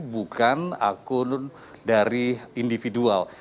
bukan akun dari individual